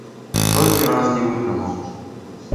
Толькі раз не вытрымаў.